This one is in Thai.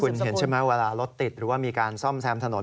คุณเห็นใช่ไหมเวลารถติดหรือว่ามีการซ่อมแซมถนน